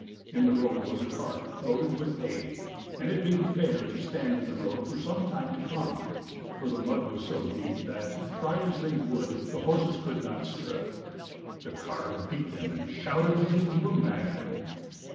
In the road was a cart loaded with hay, and it bade fair to stand in the road for some time to come ; for the mud was so deep that, try as they would, the horses could not stir it. The carter beat them and shouted as if he were mad.